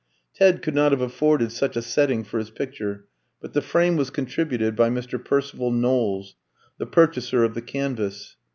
Ted could not have afforded such a setting for his picture, but the frame was contributed by Mr. Percival Knowles, the purchaser of the canvas.